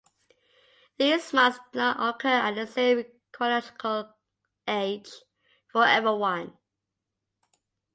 These marks do not occur at the same chronological age for everyone.